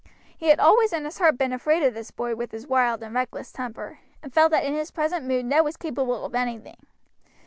He had always in his heart been afraid of this boy with his wild and reckless temper, and felt that in his present mood Ned was capable of anything.